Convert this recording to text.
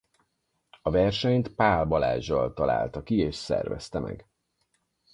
A versenyt Pál Balázzsal találta ki és szervezte meg.